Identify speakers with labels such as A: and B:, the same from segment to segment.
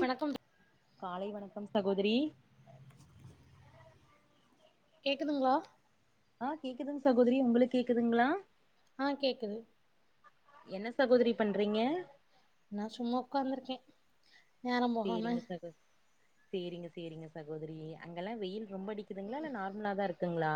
A: வணக்கம்
B: காலை வணக்கம் ச கோதரி
A: கேக்குதுங்ளா?
B: ஆ கேக்குதுங் சகோதரி உங்களுக் கேக்துங்ளா?
A: ஆ கேக்குது
B: என்ன சகோதரி பண்றீங்க?
A: நா சும்மா உக்காந்துர்கே நேரம் போகாம
B: சேரிங்க சகோ சேரிங்க சேரிங்க சகோதரி அங்கல்லா வெயில் ரொம்ப அடிக்குதுங்ளா இல்ல நார்மலா தா இருக் ங்களா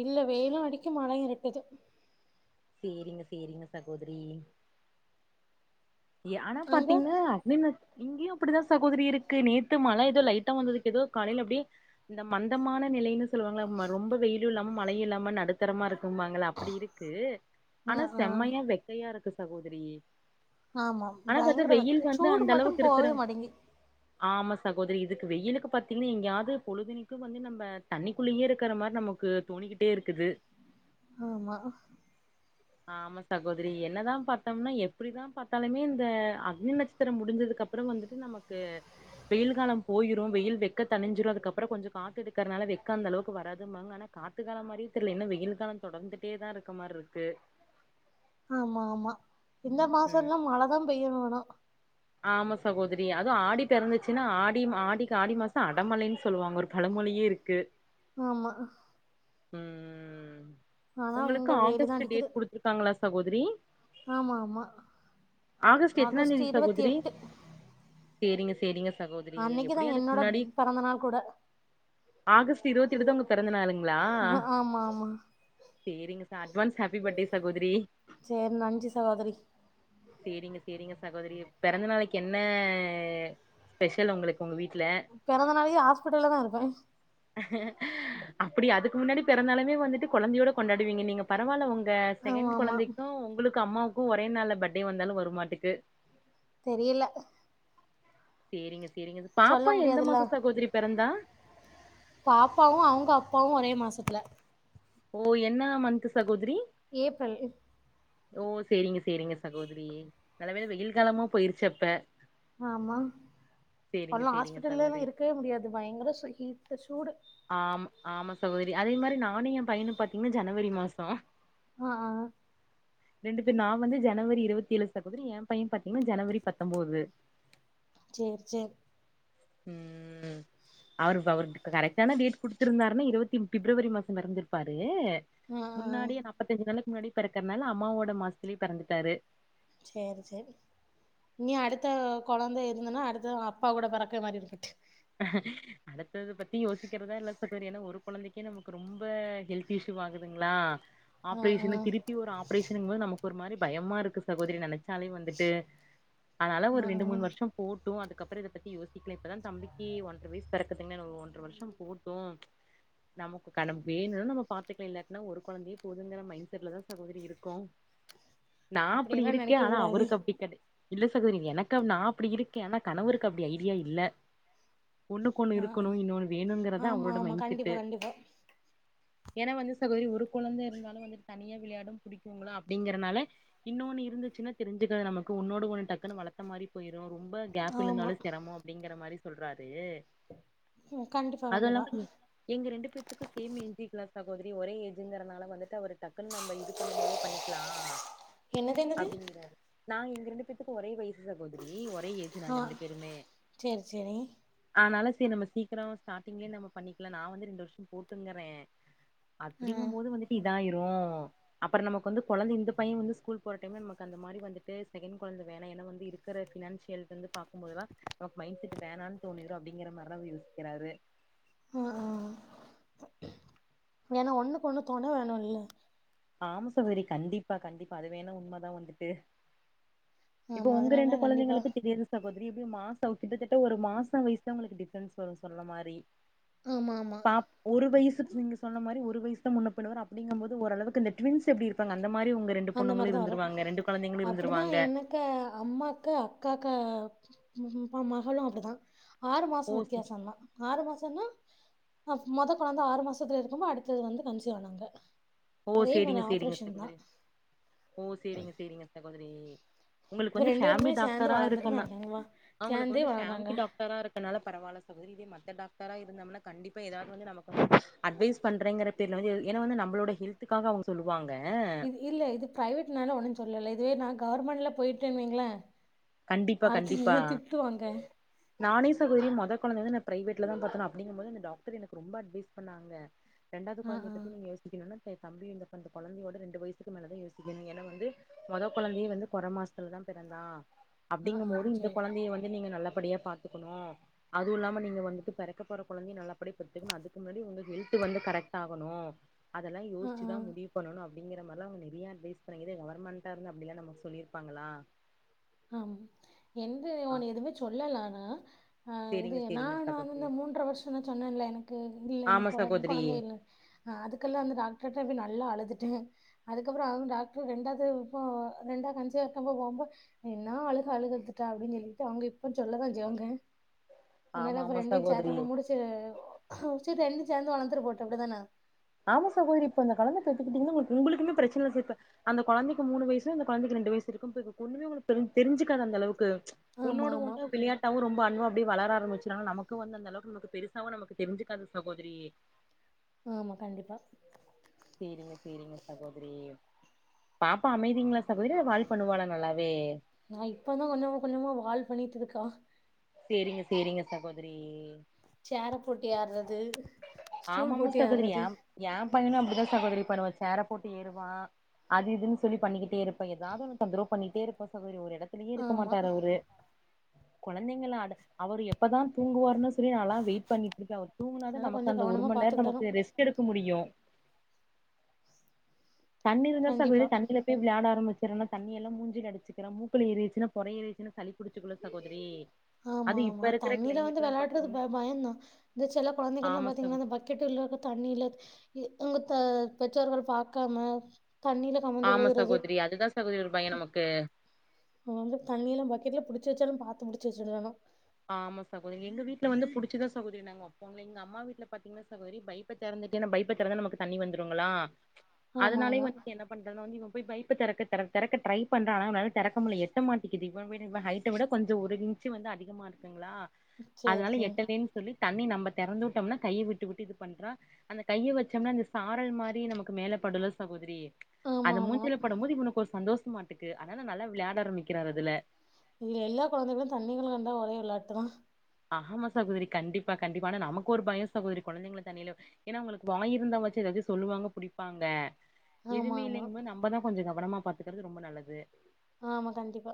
A: இல்ல வெயிலு அடிக்கு மழையி இருட்டுது
B: சேரிங்க சேரிங்க சகோதரி யானா
A: அங்க
B: பாத்தீங்னா அப்டேமிஸ் இங்கியு அப்டிதா சகோதரி இருக்கு நேத் மல ஏதோ லைட்டா வந்ததுக்கேதோ காலையல அப்டிய இந்த மந்தமான நிலையினு சொல்வாங்களம்மா ரொம்ப வெயிலுல்லாம மழையில்லாம நடு த்திரமா இருக்கும்பாங்கள அப்டியிருக்கு
A: ஆ
B: ஆனா
A: ஆ
B: செம்மையா வெக்கையா இருக்கு சகோதிரீய
A: ஆமாம் பயங்கர வெக்க சூடு மட்டு
B: அளவுக்கு இருக்கிற
A: போவே மாட்டேங்கிது
B: ஆமா சகோதரி இதுக்கு வெயிலுக்கு பாத்தீங்னா எங்கயாவது பொழுதண்ணிக்கு வந்து நம்ம தண்ணிக்குள்ளயே இருக்கற மாரி நமக்கு தோணிகிட்டே இருக்குது
A: ஆமா
B: ஆமா சகோதிரி என்னதா பாத்தோம்னா எப்டிதா பாத் இருந்தாலுமே இந்த அக்னி நட்சத்திர முடிஞ்சதுக் அப்ற வந்து நமக்கு வெயில் காலம் போயிரு வெயில் வெக்க தனிஞ்சிறு அதுக்கப்ற கொஞ்ச காத்து எடுக்கர்துனால வெக்க அந்த அளவுகு வராதும்பாங்க ஆனா காத்து காலம் மாரியே தெர்லயே இன்னு வெயில் கால தொடந்துட்டே தா இருக்கமாரிர்க்கு
A: ஆமா ஆமா இந்த
B: ம்
A: மாசல்லா மல ககம் பெய்ய வேணா
B: ஆமா சகோதரி அதுவு ஆடி பெறந்துச்சுனா ஆடிம் ஆடிகு ஆடி மாச அடமலைனு சொல்வாங்க ஒரு பழமொழியே இருக்கு
A: ஆமா
B: ம்
A: ஆனா இங்க
B: உங்களுக்கு
A: வெயிலுதா
B: ஆகஸ்ட்
A: அடிக்குது
B: டேட் குடுத்துருக்காங்களா சகோதிரி
A: ஆமா ஆமா
B: எத்தனா
A: ஆகஸ்ட்
B: தேதி
A: இருவத்
B: சகோதரி
A: எட்டு
B: சேரிங்க சேரிங்க சகோதிரி
A: அன்னைக்குதா
B: எப்டியு அதுக்கு
A: என்னோட
B: முன்னாடி
A: பிறந்த நாள் கூட
B: ஆகஸ்ட் இருவத்தி எட்டு தா உங்க பொறந்த நாளுங்களா
A: ஆ, ஆமா ஆமா
B: சேரிங்க அட்வான்ஸ் ஹேப்பி பட்டே சகோதிரி
A: செரி நன்றி சகோதிரி
B: செரிங்க செரிங்க சகோதிரி பிறந்த நாளைக்கு என்ன ஸ்பெஷல் உங்களுக்கு உங்க வீட்
A: பெறந்த நாள்லயெ ஹாஸ்பிட்டல்ல தா இருப்பே
B: அப்புடி அதுக்கு முன்னாடி பெறந்த நாளவே வந்துட்டு கொழந்தையோட கொண்டாடுவீங்க நீங்க பரவால்ல ஒங் க
A: ஆமா
B: செகன்ட்
A: ஆமா
B: கொழந்தைக்கு உங்களுக் கு அம்மாவுக்கு ஒரே நாள பர்த்டே வந்தாலு வருமாட்டுக்கு
A: தெரியல
B: சேரிங்க சேரிங்க
A: சொல்ல
B: பாப்பா எந்த
A: முடியாதுல்ல
B: மாசொ சகோதரி பெறந்தா
A: பாப்பாவு அவங்க அப்பாவு ஒரே மாசத்துல
B: ஓ என்னா மன்த்து சகோதரி
A: ஏப்ரல்
B: ஓ சேரிங்க சேரிங்க சகோதரி நல்ல வேல வெயில் காலமா போயிருச்சு அப்ப
A: ஆமா
B: சேரிங்க
A: அல்லா
B: சேரிங்க
A: ஹாஸ்பிட்டல்லலா
B: சகோதரி
A: இருக்கவே முடியாது பயங்கர ஹீட்டு சூடு
B: ஆமா ஆமா சகோதரி அதே மாரி நானு எ பையனு பாத்தீங்னா ஜனவரி மாசொ
A: அ அ ஆ
B: ரெண்டு பேர் நா வந்து ஜனவரி இருவத்தேழு சகோதரி எ பைய பாத்தீங்கனா ஜனவரி பத்தொம்போது
A: சேர் சேரி
B: ம் அவரு அவருக்கு கரெக்டான டேட்டு குடுத்துருந்தாருன்னா இருவத்தி பிப்ரவரி மாச பெறந்திருப்பாரு
A: ஆ ஆ
B: முன்னாடியே நாப்பத்தஞ்சு நாள்ல முன்னாடி பெறக்குறனால அம்மாவோட மாசத்துலே பெறந்துட்டாரு
A: சேரி சேரி இனி அடுத்த கொழந்த இருந்தன்னா அடுத்த அப்பா கூட பெறக்க மாரி இருக்கட்டு
B: அடுத்தத பத்தி யோசிக்கிறதா இல்ல சகோதரி ஏனா ஒரு கொழந்தைக்கே நமக்கு ரொம்ப ஹெல்த் இஷ்யூவாகுதுங்ளா
A: ஆ ஆ
B: ஆப்ரேஷனு திருப்பி ஒரு ஆப்ரேஷனுங்கும்பொது நம ஒரு மாரி பயமாருக்கு சகோதரி நெனை ச்சாலே வந்துட்டு அதனால ஒரு
A: ஆ
B: ரெண்டு
A: ஆ
B: மூணு வருஷொ போ ட்டு அதுக்கப்ற இத பத்தி யோசிக்லா இப்பதா தம்பி க்கி ஒன்ற வயசு பெறக்கதுங்க இன்னு ஒரு ஒன்ற வருஷ போட்டு நமக்கு கன வேணுனா நம்ம பாத்துக்லா இல்லாட்னா ஒரு கொழந்தையே போதுங்குற மைன்ட்செட்ல தா சகோதரி இருக்கோ நா அப்படி
A: அப்டியெல்லா
B: இருக்கே
A: நெனைக்க
B: ஆனா
A: கூடாது
B: அவருக்கு அப்டி கெடை இல்ல சகோதரி எனக்கு நா அப்பிடி இருக்கே ஆனா கணவருக்கு அப்பிடி ஐடியா இல்ல ஒன்னுக்கொன்னு
A: ஆ ஆ.
B: இருக்கணு இன்னொன்னு வேணுங்கிறதா
A: ஆமா
B: அவரோட
A: ஆமா
B: மைண்ட்
A: கண்டிப்பா
B: செட்டு
A: கண்டிப்பா
B: ஏனா வந்து சகோதரி ஒரு கொழந்த இருந்தாலு வந்து தனியா வெளையாடு புடிக்குங்களா அப்டிங்கிறனால இன்னொன்னு இருந்துச்சுனா தெரிஞ்சுக்காது நமக்கு ஒன்னோட ஒன்னு டக்குனு வளத்த மாரி போயி ரு ரொம்ப கேப்
A: ஆமா
B: விழுந்தாலு செரமொ அப்டிங்கிற மாரி சொல்றா ரு
A: ம் கண்டிப்பா
B: அது
A: கண்டிப்பா
B: இல்லாம எங்க ரெண்டு பேத்துக்கு சேம் ஏஜுங்களா சகோதரி ஒரே ஏஜுங்கறனால வந்துட்டு அவரு டக்குன்னு நம்ம இது பண்ணும் போதே பண்ணிக்லா
A: என்னது என்னது
B: அப்டிங்கிறாரு நான் எங்க ரெண்டு பேத்துக்கு ஒரே வயசு சகோதரி ஒரே ஏஜு
A: ஆ
B: நாங்க ரெண்டு பேருமே
A: சேரி சேரி
B: அதனால சேரி நம்ம சீக்கிரோ ஸ்டார்டிங்லயே நம்ம பண்ணிக்கலா நா வந்து ரெண்டு வருஷோ போட்டுங்கறே
A: ஆ
B: அப்டிங்கும் போது வந்துட்டு இ தாயிரு அப்புற நமக்கு வந்து கொழந்த இந்த பைய வந்து ஸ்கூல் போற டைம்ல நமக்கு அந்த மாரி வந்துட்டு செகண்ட் கொழந்த வேணா ஏன்னா வந்து இருக்குற ஃபினான்சியல்க்கு வந்து பாக்கும் போதெல்லா நமக்கு மைண்ட் செட் வேணான் தோணிரு அப்டிங்கிற மாரிதா அவரு யோசிக்கிறாரு
A: ஆ ஆ ஏன்னா ஒண்ணுக்கு ஒண்ணு தொண வேணு இல்ல
B: ஆமா சகோதரி கண்டிப்பா கண்டிப்பா அது வேண்ணா உண்மதா வந்துட்டு இப்ப
A: ஆமா
B: உங்க ரெண்டு
A: அதனால கண்டிப்பா
B: கொழந்தைகளுக்கு திடீர்னு ச சகோதரி எப்டியு மாசோ கிட்டத்தட்ட ஒரு மாசோ வயசுதா உங்களுக்கு டிஃபரன்ஸ் வரு சொன்ன மாரி
A: ஆமா ஆமா
B: பாப் ஒரு வயசு நீங்க சொன்ன மாரி ஒரு வயசுதா முன்ன பின்ன வரு அப்டிங்கம்போது ஓரளவு க்கு இந்த ட்வின்ஸ் எப்டி இருப்பாங்க அந்
A: அந்த மாரிதா வரும்
B: கொழந்தைங்களு
A: அப்பிடிதா
B: இருந்துருவாங்க
A: எனக்கு அம்மாக்கு அக்காக்கா ம் ஹும் ஆ மகளு அப்டிதா ஆறு மாசோ
B: ஓ
A: வித்தியாசந்தா ஆறு மாசன்னா ஆ மொத குழந்த ஆறு மாசத்துல இருக்கும்போ அடுத்தது வந்து கன்சிவ் ஆனாங்க
B: ஓ
A: அதே மாரி
B: சேரிங்க சேரிங்க
A: ஆப்ரேஷன் தா
B: சகோதரி ஓ சேரிங்க சேரிங்க ச கோதரி உங்களுக்கு
A: இப்ப
B: வந்து
A: ரெண்டு பேருமே
B: ஃபேமிலி
A: சேந்து
B: டாக்டரா
A: வளந்துட்டு தா
B: இருக்கன்னா
A: இருக்காங்க வா
B: அவங்களுக்கு
A: சேந்தே
B: வந்து
A: வளர்றாங்க
B: ஃபேமிலி டாக்டரா இருக்கனால பரவால்ல சகோதரி இதே மத்த டாக்டரா இருந்தம்னா கண்டிப்பா எதாவது வந்து நமக்கு வந்து அட்வைஸ் பண்றேங்கற பேர்ல வந்து எது ஏன்னா வந்து நம்பளோட ஹெல் த்துக்காக அவங்க சொல்லுவாங்
A: இது இல்ல இது பிரைவேட்னால ஒன்னுஞ் சொல்லல இ துவே நா கவர்மெண்ட்ல போயிட்டேன் வைங்களே
B: கண்டிப்பா கண்டிப்பா
A: அடுத்து திட்டுவாங்க.
B: நானே சகோதரி மொத கொழந்த வந்து நா பிரைவேட்லதா பாத்தேன்னு அப்டிங்கும்போது அந்த டாக்டர் எனக்கு ரொம்ப அட்வைஸ் பண்ணாங்க ரெண்டாவது
A: ஆ,
B: கொழந்தய
A: ஆ,
B: பத்தி நீங்க யோசிக்கணுன்னா இப்ப தம்பி இந்த இப்ப இந்த கொழந்தையோட ரெண்டு வயசுக்கு மேலதா யோசிக்கணு ஏன்னா வந்து மொத கொழந்தையே வந்து கொற மாசத்துலதா பெறந்தா
A: ஆ, ஆ,
B: அப்டிங்கும்போது இந்த
A: சரி.
B: கொழந்தைய வந்து நீங்க நல்ல படியா பாத்துக்கணு அதுவு இல்லாம நீங்க வந்துட்டு பெறக்க போற கொழந்தைய நல்லபடியா பெத்துக்கணு அதுக்கு முன்னாடி உங்க ஹெல்த்து வந்து கரெக்ட் ஆகணு அதெல்லா
A: ஆ, ஆ,
B: யோசிச்சுதா முடிவு பண்ணணு அப் டிங்கிற மாரிலா அவங்க நெறயா அட்வைஸ் பண்ணாங்க இதே கவர்மெண்டா இருந்தா அப்டில்லா நமக்கு சொல்லிருப்பாங்களா
A: ம் என்து
B: ஆ
A: ஆனா எதுமே சொல்லல ஆனா ஆ ஆ இது
B: சேரிங்க
A: நா
B: சேரிங்க
A: நா வந்து
B: சகோதரி
A: இந்த மூன்ற வர்ஷந்தா சொன்னேன்ல எனக்கு இல்லனு
B: ஆமா
A: கொழந்
B: சகோதரி
A: கொழந்த இல்ல அதுக்கெல்லா வந்து டாக்டர்கிட்ட போய் நல்லா அழுது ட்டே அதுக்கப்புறோ அவுங் டாக்ட்ரு ரெண்டாவது போ ரெண்டாவது கன்சீவ் ஆயிருக்கும்போ போம்போ என்ன அழுக அழுது எடுத்துட்டா அப்டின்னு சொல்லிட்டு அவங்க இப்ப சொல்லதா செய்வாங்க அதனால
B: ஆமா
A: அப்ப
B: ஆமா
A: ரெண்டயு
B: சகோதரி
A: சேத்தப்ப முடிச்சு ஆ சேரி ரெண்டு சேந்து வளந்துட்டு போகுட்டு அப்டிதான
B: ஆமா சகோதரி இப்ப அந்த கொழந்த பெத்துக்கிட்டீங்கன்னா உங்களுக் உங்களுக்குமே பிரச்சன இல்ல ச இப்ப அந்த கொழந்தைக்கி மூணு வயசு அந்த கொழந்தைக்கி ரெண்டு வயசு இருக்கும்போது ஒண்ணுமே உங்களுக்கு தெரிஞ் தெரிஞ்சுக்காது அந்தளவுக்கு
A: ஆமா,
B: ஒன்னோட
A: ஆமா.
B: ஒன்னு விளையாட்டாவு ரொம்ப அன்பா அப்டி வளர ஆரம்பிச்சிரனால நமக்கு வந்து அந்த அளவுக்கு நமக்கு பெருசாவு நமக்கு தெரிஞ்சுக்காது சகோதரி
A: ஆமா கண்டிப்பா.
B: சேரிங்க சேரிங்க சகோதரி பாப்பா அமைதிங்களா சகோதரி இல்ல வால் பண்ணுவாளா நல்லாவே
A: நான் இப்ப தான் கொஞ்சம் கொஞ்சமா வால் பண்ணிட்டு இருக்கா
B: சேரிங்க சேரிங்க சகோதரி
A: சேர போட்டு ஏர்றது ஸ்டூல்
B: ஆமாமா
A: போட்டு
B: சகோதரி ஏ
A: ஏர்றது
B: ஏ பையனு அப்டிதா சகோதரி பண்ணுவா சேர போட்டு ஏறுவா அது இதுன்னு சொல்லி பண்ணிக்கிட்டே இருப்பா எதாவது ஒன்னு தொந்தரவு பண்ணிட்டே இருப்பா சகோதரி ஒரு எடத் துலயே இருக்க
A: ஆமா
B: மாட்டாரு அவரு நீங்களு அடு அவரு எ ப்பதா தூங்குவாருன்னு செரி நான்லா வெயிட் பண்ணிட்டு இருக்கே அவர் தூங்குனாதா
A: அதெல்லா
B: நமக்கு
A: கொஞ்சோ
B: அந்த ஒரு
A: கவனமா
B: மணி நேரோ
A: பாத்துக்கிடணு
B: நமக்கு ரெஸ்ட் எடுக்க முடியு தண்ணி இருந்தா
A: கண்டிப்பா
B: சகோதரி தண்ணில போய் விளையாட ஆரம்பிச் சிரான்னா தண்ணி எல்லா மூஞ்சில அடிச்சுக்குறா மூக்குல ஏறிருச்சுனா பொற ஏறிருச்சுனு சளி புடிச்சுக்குல்ல சகோதரி
A: ஆமா
B: அது இப்ப
A: ஆமா
B: இருக்கிற
A: தண்ணில வந்து
B: கிளைமேட்லா
A: வெளையாடறது ப
B: பாத்தீங்கன்னா
A: பயந்தா இந்த செல கொழந்தைகள்லா
B: ஆமா சகோ
A: பாத்தீங்கன்னா இந்த பக்கெட்டுகள்ல இருக்க தண்ணில இ வுங்க த பெற்றோர்கள் பாக்காம தண்ணில கமந்து
B: ஆமா
A: விழுகுறது
B: சகோதரி அதுதா சகோதரி ஒரு பயோ நமக்கு
A: அவ வந்து தண்ணில பக்கெட்ல புடிச்சு வச்சாலு பாத்து முடிச்சு வச்சுறாங்க
B: ஆமா சகோதரி எங்க வீட்ல வந்து புடிச்சுதா சகோதரி நாங்க வப்போ எங்க அம்மா வீட்ல பாத்தீங்கன்னா சகோதரி பைப்ப தெறந்துட்டே அந்த பைப்ப தெறந்தா நமக்கு தண்ணி வந்துருங்களா
A: ஆமா
B: அதனாலயு
A: ஆமா
B: வந்து என்ன பண்றதுன்னா வந்து இவ போய் பைப்ப தெறக்க தெற தெறக்க ட்ரை பண்றா ஆனா அவனால தெறக்க முடில எட்ட மாட்டிங்குது இவன விட இவ ஹைட்ட விட கொஞ்ச ஒரு இன்ச்சு வந்து அதிகமா இரு க்குங்களா
A: சேரி
B: அதனால
A: சேரி
B: எட்டலேன்னு சொல்லி த தண்ணி நம்ப தெறந்து விட்டோம்னா கைய விட்டு விட்டு இது பண்றா அந்த கைய வச்சோம்னா இந்த சாரல் மாரி நமக்கு மேல படுல்ல சகோதரி
A: ஆமா
B: அது
A: ஆமா
B: மூஞ்சில படும்போது இவனுக்கு ஒரு சந்தோச மாட்டுக்கு அதனால நல்லா விளாட ஆரம்பிக்கிறாரு அதுல
A: இது எல்லா கொழந்தைகளு தண்ணிகள கண்டா ஒரே விளாட்டு தா
B: ஆமா சகோதரி கண்டிப்பா கண்டிப்பா ஆனா நமக்கு ஒரு பயோ சகோதரி கொழந்தைங்கள தண்ணில ஏன்னா அவங்களுக்கு வாய் இருந்தாவாச்சு எதாவது சொல்லுவாங்க புடிப்பாங்க
A: ஆமா
B: எதுமே
A: ஆமா
B: இல்லைங்கம்போது நம்மதா கொஞ்சோ கவனமா பாத்துக்குறது ரொம்ப நல்லது
A: ஆமா கண்டிப்பா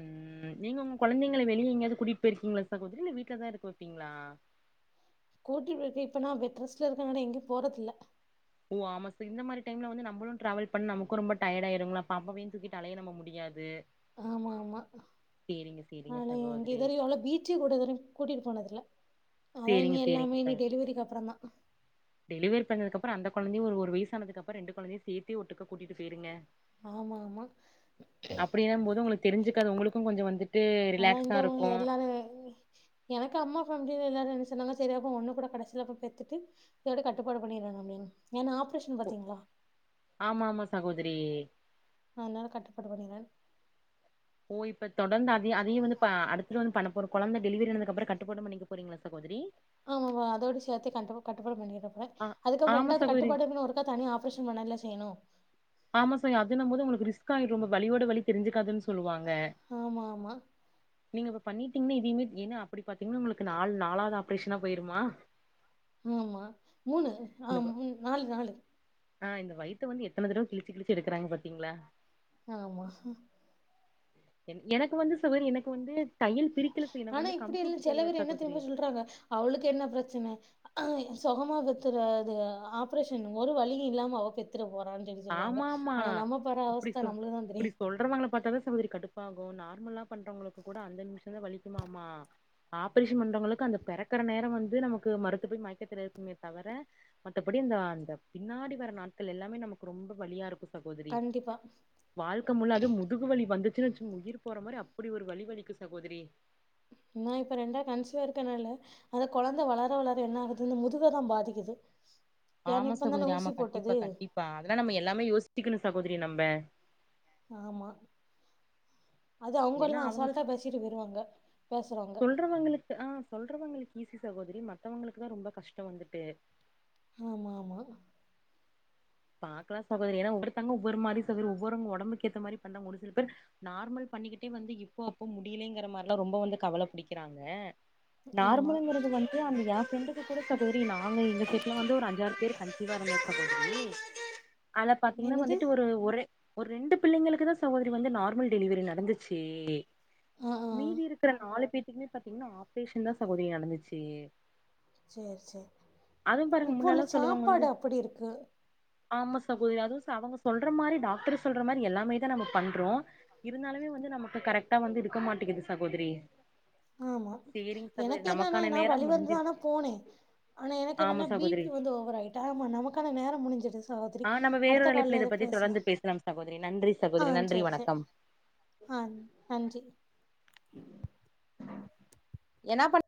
B: ம் நீங்க உங்க கொழந்தைங்கள வெளிய எங்கயாது கூட்டிட்டு போயிருக்கீங்களா சகோதரி இல்ல வீட்லதா இருக்க வப்பீங்களா
A: கூட்டிட் இருக்க இப்ப நா பெட் ரெஸ்ட்ல இருக்கனால எங்கயு போறதுல்ல
B: ஓ ஆமா செரி இந்த மாரி டைம்ல வந்து நம்பளு வந்து ட்ராவல் பண்ண நமக்கு ரொம்ப டயேடு ஆயிருங்ளா பாப்பாவயு தூக்கிட்டு அலைய நம்ம முடியாது
A: ஆமா ஆமா
B: சேரிங்க சேரிங்க
A: ஆனா இங்க
B: சகோதரி
A: இதுவரையு அவள பீச்சுக்கூட இதுவரையு கூட்டிட்டு போனதில்ல அதான் இனி
B: சேரிங்க சேரிங்க
A: எல்லாமே இனி
B: சக
A: டெலிவரிக்கு அப்புறம் தான்.
B: டெலிவரி பண்ணதுக்கப் பற அந்த கொழந்தையு ஒரு ஒரு வயசானதுக்கப்றோ ரெண்டு கொழந்தையு சேத்தி ஒட்டுக்கா கூட்டிட்டு போயிருங்க
A: ஆமா ஆமா
B: அப்டின்னும் போது உங்களுக்கு தெரிஞ்சுக்காது உங்களுக்கு கொஞ்சோ வந்துட்டு
A: ஆ
B: ரிலாக்ஸா
A: இந்த
B: இருக்கு
A: எல்லாரு எனக்கு அம்மா ஃபேமிலில எல்லாரு எ ன்ன சொன்னாங்க சரி அப்ப ஒன்னு கூட கடைசில அப்ப பெத்துட்டு இதோட கட்டுப்பாடு பண்ணிறாங்க அப்டின்னு ஏன்னா ஆப்ரேஷன் பாத்தீங்களா
B: தரி
A: அதனால கட்டுப்பாடு பண்ணிறலான்னு
B: ஓ இப்ப தொடர்ந்து அதையு அதையு வந்து இப்ப அடுத்து வந்து பண்ண போற கொழந்த டெலிவரியானதுக்கப்புறோ கட்டுப்பாடும் பண்ணிக்க போறீங்களா சகோதரி
A: ஆமாப்பா அதோட சேத்தே கண்டிப்பா கட்டுப்பாடு பண்ணிர ப்போற
B: ஆ
A: அதுக்கப்றோ
B: ஆமா
A: ரெண்டாவது
B: சகோதரி
A: கட்டுப்பாடுனா ஒருக்கா தனியா ஆப்ரேஷன் பண்ணல்ல செய்யணு
B: ஆமா சரி அதுன்னும்போது உங்களுக்கு ரிஸ்க் ஆயிரு ரொம்ப வலியோட வலி தெரிஞ்சுக்காதுன்னு சொல்லுவாங்க
A: ஆமா ஆமா
B: நீங்க இப்ப பண்ணிட்டீங்கன்னா இதையுமே ஏன்னா அப்படி பாத்தீங்கன்னா உங்களுக்கு நாலு நாலாவது ஆப்ரேஷனா போயிருமா
A: ஆமா மூணு ஆ
B: இந்த
A: மூ நாலு நாலு
B: ஆ இந்த வயித்து வந்து எத்தன தறவ கிளிச்சி கிளிச்சி எடுக்கறாங்க பாத்தீங்களா
A: ஆமா
B: எனக்கு வந்து சுவர் எனக்கு வந்து தையல் பிரிக்கல சார், எனக்கு
A: ஆனா
B: வந்து
A: இப்படி எல்லாம்
B: கம்ப்யூட்டர்
A: செல
B: தையல
A: பேர் என்ன
B: சகோதரி
A: தெரியுமா சொல்றாங்க அவளுக்கு என்ன பிரச்சனை சுகமா பெத்துற இது ஆப்ரேஷன் ஒரு வழி இல்லாம ஓகே பெத்துரும்
B: ஆமா ஆமா இப்படி
A: அவஸ்த
B: சொ
A: நம்மளுக்கு தான்
B: இப்படி
A: தெரியும்
B: சொல்றவங்கள பார்த்தா தான் சகோதரி கடுப் பாகும் நார்மலா பண்றவங்களுக்கு கூட அந்த நிமிஷம் தான் வலிக்குமமா ஆபரேஷன் பண்றவங்களுக்கு அந்த பிறக்கிற நேரம் வந்து நமக்கு மருத்து போய் மயக்கத்தில் இருக்குமே தவர மத்தபடி அந்த அந்த பின்னாடி வர நாட்கள் எல்லாமே நமக் கு ரொம்ப வழியா இருக்கும் சகோதரி
A: கண்டிப்பா
B: வாழ்க்கை முழு அது முதுகுவலி வந்து சச்சனச்சம் உயிர் போற மாதிரி அப்படி ஒரு வழி வலிக்கும் சகோதரி
A: ஆனா இப்ப ரெண்டா கன்சிவா இருக்கனால அந்த குழந்தை வளர வளர என்ன ஆகுது முதுவைதான் பாதிக்குது ஏன்னா
B: ஆமா
A: இப்ப தானே
B: சகோதரி ஆமா
A: ஊசி
B: கண்டிப்பா
A: போட்டது
B: கண்டிப்பா அதெல்லாம் நம்ம எல்லாமே யோசிக்கனும் சகோதரி நம்ப
A: ஆமா அது அவுங்க
B: ஏன்னா
A: எல்லாம்
B: அவங்க
A: அசால்ட்டா பேசிட்டு வருவாங்க
B: சொல்றவங்களுக்கு ஆ சொல்றவங்களுக் ஈசி சகோதரி மத்தவங்களுக்கு தான் ரொம்ப கஷ்டம் வந்துட்டு
A: ஆமா ஆமா
B: பாக்கலாம் சகோதரி ஏன்னா ஒவ்வருத்தாங்க ஒவ்வொரு மாதிரி உடம்புக்கு ஏற்ற மாதிரி பன்னா ஒரு சில பேர் நார்மல் பண்ணிக்கிட்டே வந்து இப்போ அப்போ முடியலேங்கிற மாதிரில்லாம் ரொம்ப வந்து கவலை புடிக்கிறாங்க
A: ஆமா
B: நார்மலுங்கிறது வந்து அந்த என் ஃப்ரெண்டுக்கு கூட சகோதரி நாங்க எங்க செட்ல வந்து ஒரு அஞ்சாறு பேர் கன்சிவா இருந்தேன் சகோதரி அத பாத்தீங்கன்னா
A: என்னது
B: வந்துட்டு ஒரு ஒரே ஒரு ரெண்டு பிள்ளைங்களுக்கு தான் சகோதரி வந்து நார்மல் டெலிவரி நடந்துச்சு
A: ஆ ஆ
B: மீதி இருக்கிற நாலு பேருக் பின்னே பாத்தீங்கன்னா ஆப்ரேஷன் தான் சகோதரி நடந்துச்சு
A: செரி செரி
B: அதுவு பாருங்க
A: இப்ப உள்ள
B: முன்னெல்லா சொல்லுவாங்க வந்து
A: சாப்பாடு அப்படி இருக்கு
B: ஆமா சகோதரி அதுவும் அவுங்க சொல்ற மாதிரி டாக்டர் சொல்ற மாதிரி எல்லாமே தான் நம்ம பண்றோம் இருந்தாலுமே வந்து நமக்கு கரெக்ட்டா வந்து இருக்க மாட்டேங்குது சகோதரி
A: ஆமா
B: சேரிங் சகோதரி
A: எனக்கு என்னன்னா
B: நமக்கான
A: நான்
B: நேரம்
A: வழி வந்து
B: முடிஞ்சு
A: தான் ஆனா போனேன் ஆனா எனக்கு
B: ஆமா
A: என்னன்னா பி
B: சகோதரி
A: பி வந்து ஓவர் ஆயிட் ஆமா நமக்கான நேரம் முடிஞ்சது
B: ஆ நம்ம வேறொரு அழைப்பல இதை பத்தி தொடர்ந்து பேசலாம் சகோதரி நன்றி
A: ஆ
B: சகோதரி நன்றி
A: சேரி சேரி
B: வணக்கம்
A: ஆ நன்றி
B: என்ன பண்